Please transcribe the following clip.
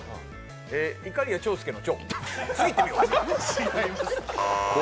いかりや長介の長、次いってみよう！